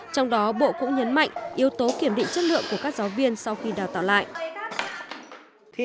trong đó bộ cũng nhấn mạnh yếu tố kiểm định chất lượng của các giáo viên sau khi đào tạo lại